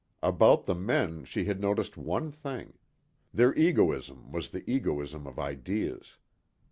About the men she had noticed one thing. Their egoism was the egoism of ideas.